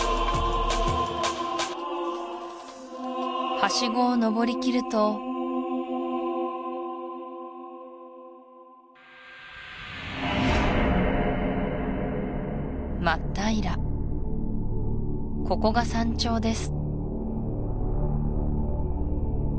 はしごを登りきると真っ平らここが山頂です